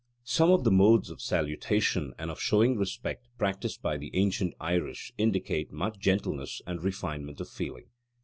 Some of the modes of salutation and of showing respect practised by the ancient Irish indicate much gentleness and refinement of feeling.